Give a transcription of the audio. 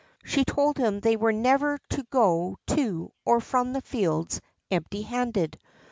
She told them that they were never to go to or from the fields empty handed.